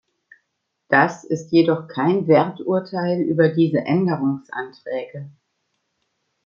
Das ist jedoch kein Werturteil über diese Änderungsanträge.